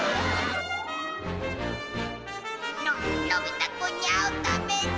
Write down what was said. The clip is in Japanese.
ののび太くんに会うためだ